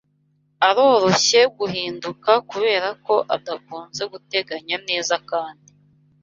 aroroshye guhinduka kuberako adakunze guteganya neza kandi